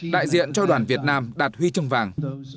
đại diện cho đoàn việt nam đạt huy chương vàng